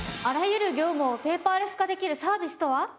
あらゆる業務をペーパーレス化できるサービスとは？